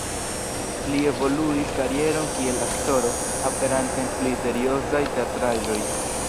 Li evoluigis karieron kiel aktoro, aperante en pli seriozaj teatraĵoj.